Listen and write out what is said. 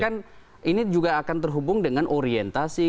kan ini juga akan terhubung dengan orientasi